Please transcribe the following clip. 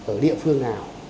ở địa phương nào